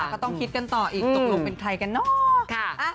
ก็ต้องคิดกันต่ออีกตกลงเป็นใครกันเนาะ